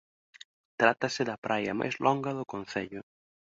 Trátase da praia máis longa do concello.